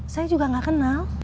saya juga gak kenal